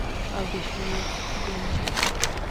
او د شور ګنډي